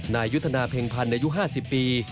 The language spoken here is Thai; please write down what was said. นายยุทธนาเพ็งพันธ์อายุ๕๐ปี